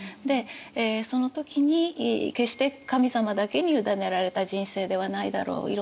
でその時に決して神様だけに委ねられた人生ではないだろう。